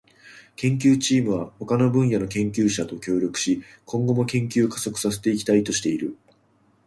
研究チームは他の分野の研究者と協力し、今後も研究を加速させていきたいとしている。